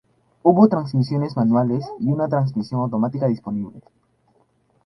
Hubo transmisiones manuales y una transmisión automática disponible.